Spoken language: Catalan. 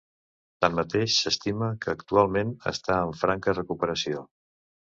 Tanmateix, s'estima que actualment està en franca recuperació.